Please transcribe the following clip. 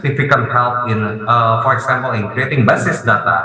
misalnya dalam membuat data basis